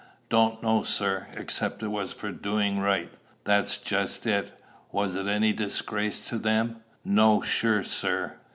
"Don't know, sir, except it was for doing right." "That's just it. Was it any disgrace to them?" "No, sure, sir."